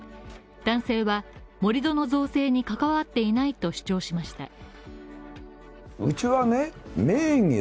男性は盛り土の造成に関わっていないと主張しました。